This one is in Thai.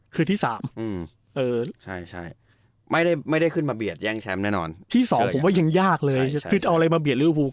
คือที่สามอืมเออใช่ไม่ได้ขึ้นมาเบียดแย่งแชมป์แน่นอนที่สองผมว่ายังยากเลยคือจะเอาอะไรมาเบียดลิวภู